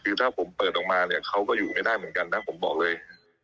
คือถ้าผมเปิดออกมาเนี่ยเขาก็อยู่ไม่ได้เหมือนกันนะผมบอกเลย